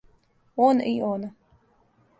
Он и она.